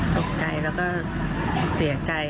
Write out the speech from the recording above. ตกใจแล้วก็เสียใจ